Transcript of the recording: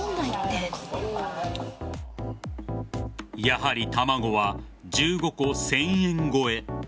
やはり卵は１５個１０００円超え。